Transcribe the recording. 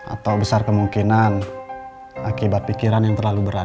atau besar kemungkinan akibat pikiran yang terlalu berat